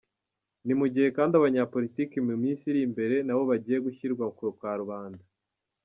Ni mu gihe kandi abanyapolitiki mu minsi iri imbere nabo bagiye gushyirwa ku karubanda.